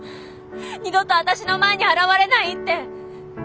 二度と私の前に現れないって。